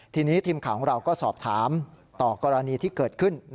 ทีนี้ทีมข่าวของเราก็สอบถามต่อกรณีที่เกิดขึ้น